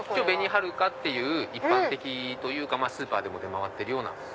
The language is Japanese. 紅はるかっていう一般的というかスーパーでも出回っているような。